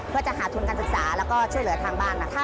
เพื่อจะหาทุนการศึกษาแล้วก็ช่วยเหลือทางบ้านนะคะ